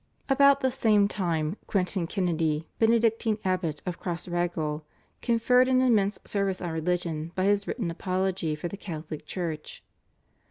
About the same time Quintin Kennedy, Benedictine Abbot of Crossraguel, conferred an immense service on religion by his written apology for the Catholic Church.